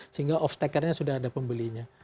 sehingga off takernya sudah ada pembelinya